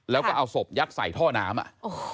แล้วก็เอาศพยัดใส่ท่อน้ำ